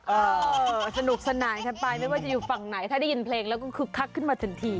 เออสนุกสนานกันไปไม่ว่าจะอยู่ฝั่งไหนถ้าได้ยินเพลงแล้วก็คึกคักขึ้นมาทันที